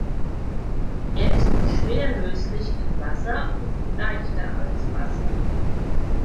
Er ist schwer löslich in Wasser und leichter als Wasser.